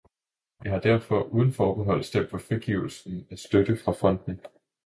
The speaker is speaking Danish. Jeg har derfor uden forbehold stemt for frigivelsen af støtte fra fonden.